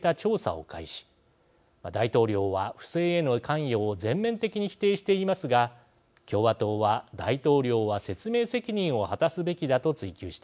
大統領は不正への関与を全面的に否定していますが共和党は大統領は説明責任を果たすべきだと追及しています。